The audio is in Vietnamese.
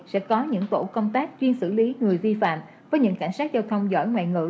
sẽ có những tổ công tác chuyên xử lý người vi phạm với những cảnh sát giao thông giỏi ngoại ngữ